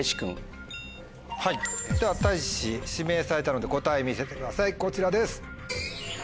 はいではたいし指名されたので答え見せてくださいこちらです。